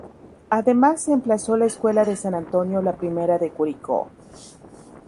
Además se emplazó la Escuela de San Antonio, la primera de Curicó.